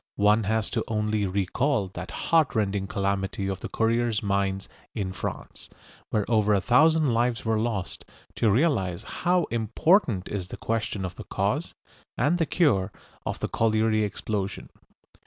One has only to recall that heart rending calamity of the Courrières mines in France, where over a thousand lives were lost, to realise how important is the question of the cause and the cure of the colliery explosion.